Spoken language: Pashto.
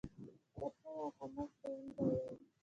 کتابچه یو خاموش ښوونکی دی